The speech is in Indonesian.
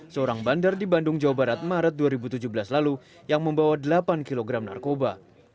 seorang bandar di bandung jawa barat maret dua ribu tujuh belas lalu yang membawa delapan kg narkoba